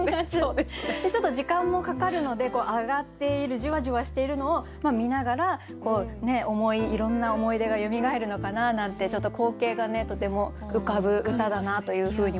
ちょっと時間もかかるので揚がっているジュワジュワしているのを見ながらいろんな思い出がよみがえるのかななんてちょっと光景がとても浮かぶ歌だなというふうには思いました。